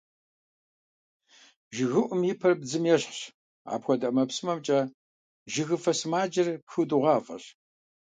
ЖыгыуӀум и пэр бдзым ещхыц, апхуэдэ ӀэмэпсымэмкӀэ жыгыфэ сымаджэр пхыудыгъуафӀэщ.